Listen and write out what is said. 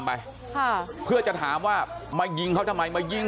ไปค่ะเพื่อจะถามว่ามายิงเขาทำไมมายิง